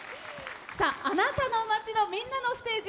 あなたの街の、みんなのステージ。